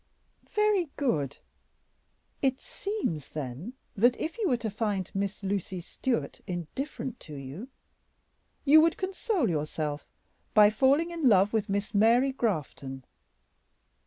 "Very good; it seems, then, that if you were to find Miss Lucy Stewart indifferent to you, you would console yourself by falling in love with Miss Mary Grafton."